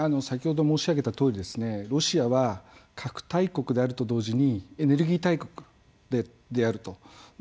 先ほど申し上げたとおりロシアは核大国であると同時にエネルギー大国であると。